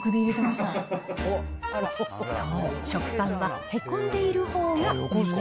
そう、食パンはへこんでいるほうが上。